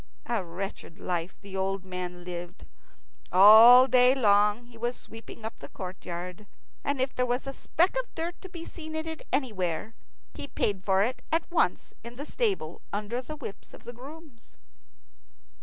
A wretched life the old man lived. All day long he was sweeping up the courtyard, and if there was a speck of dirt to be seen in it anywhere, he paid for it at once in the stable under the whips of the grooms.